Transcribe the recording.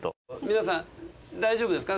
皆さん大丈夫ですか？